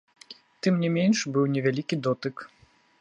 Тым не менш быў невялікі дотык.